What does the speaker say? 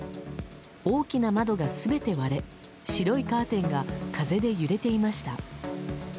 大きな窓が全て割れ白いカーテンが風で揺れていました。